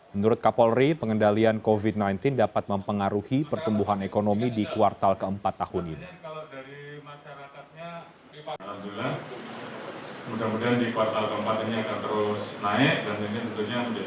menurut kapolri pengendalian covid sembilan belas dapat mempengaruhi pertumbuhan ekonomi di kuartal keempat tahun ini